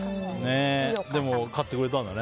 でも、買ってくれたんだね。